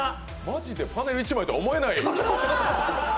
マジでパネル１枚とは思えない。